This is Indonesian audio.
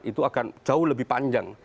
itu akan jauh lebih panjang